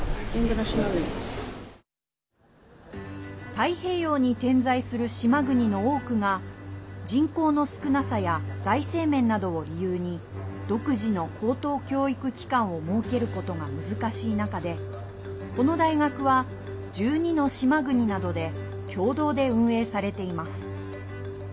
太平洋に点在する島国の多くが人口の少なさや財政面などを理由に独自の高等教育機関を設けることが難しい中でこの大学は１２の島国などで共同で運営されています。